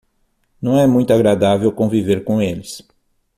Não é muito agradável conviver com eles.